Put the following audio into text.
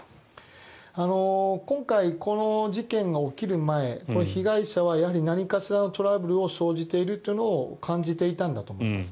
今回この事件が起きる前被害者はやはり何かしらのトラブルが生じているというのを感じていたんだと思います。